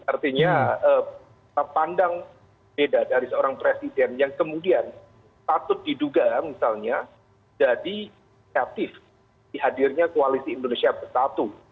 artinya pandang beda dari seorang presiden yang kemudian patut diduga misalnya jadi kreatif di hadirnya koalisi indonesia bersatu